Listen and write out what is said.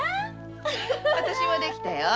私もできたよ。